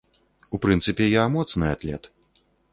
У прынцыпе, я моцны атлет.